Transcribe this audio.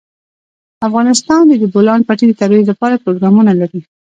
افغانستان د د بولان پټي د ترویج لپاره پروګرامونه لري.